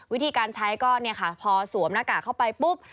วิธีการใช้ก็พอสวมหน้ากากเข้าไปปุ๊บ